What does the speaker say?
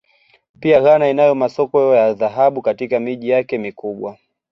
Pia Ghana inayo masoko ya dhahabu katika miji yake mikubwa